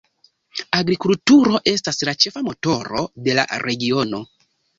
Agrikulturo estas la ĉefa motoro de la regiono.